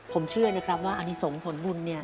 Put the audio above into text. ผมเชื่อในคำว่าอธิสงค์ผลบุญ